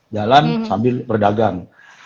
jalan sambil berdagang